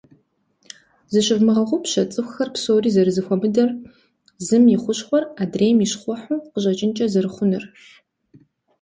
Зыщывмыгъэгъупщэ цӏыхухэр псори зэрызэхуэмыдэр, зым и хущхъуэр адрейм и щхъухьу къыщӏэкӏынкӏэ зэрыхъунур.